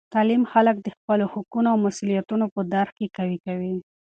تعلیم خلک د خپلو حقونو او مسؤلیتونو په درک کې قوي کوي.